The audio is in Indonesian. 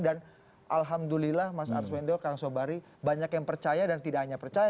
dan alhamdulillah mas arswendo kang sobari banyak yang percaya dan tidak hanya percaya